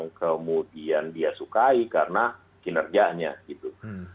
yang kemudian dia sukai karena kinerjanya gitu